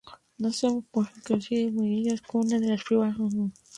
La nave central coincide en sus medidas con las de la primitiva capilla.